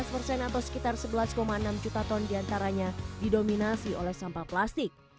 lima belas persen atau sekitar sebelas enam juta ton diantaranya didominasi oleh sampah plastik